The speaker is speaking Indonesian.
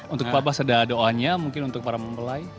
untuk pak bas ada doanya mungkin untuk para mempelai